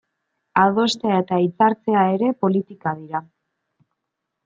Adostea eta hitzartzea ere politika dira.